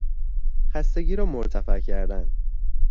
خستگی را مرتفع کردن